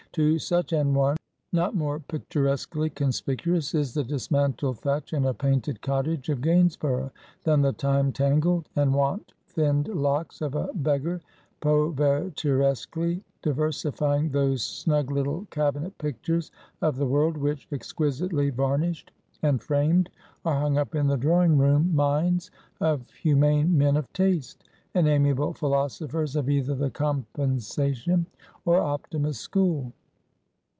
To such an one, not more picturesquely conspicuous is the dismantled thatch in a painted cottage of Gainsborough, than the time tangled and want thinned locks of a beggar, povertiresquely diversifying those snug little cabinet pictures of the world, which, exquisitely varnished and framed, are hung up in the drawing room minds of humane men of taste, and amiable philosophers of either the "Compensation," or "Optimist" school.